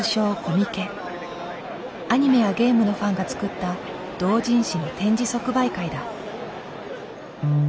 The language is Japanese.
アニメやゲームのファンが作った同人誌の展示即売会だ。